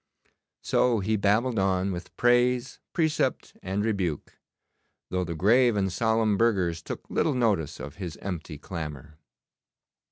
So he babbled on with praise, precept, and rebuke, though the grave and solemn burghers took little notice of his empty clamour.